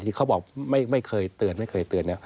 ที่เค้าบอกไม่เคยเตือน